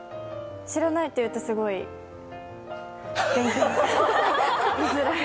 知らないっていうと、すごい言いづらい。